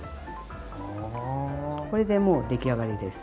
これでもうできあがりです。